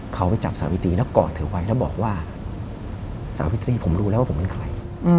เขาไปจับสาวิตรีแล้วกอดเธอไว้แล้วบอกว่าสาวิตรีผมรู้แล้วว่าผมเป็นใคร